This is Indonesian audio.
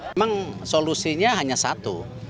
memang solusinya hanya satu